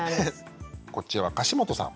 こっちは樫本さん。